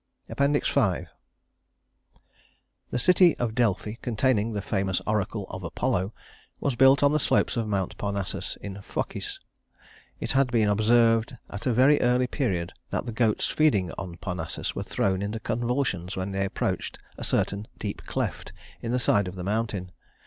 V The city of Delphi, containing the famous oracle of Apollo, was built on the slopes of Mount Parnassus in Phocis. It had been observed at a very early period that the goats feeding on Parnassus were thrown into convulsions when they approached a certain deep cleft in the side of the mountain.